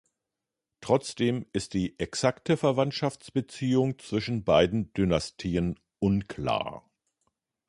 Trotzdem ist die exakte Verwandtschaftsbeziehung zwischen beiden Dynastien unklar.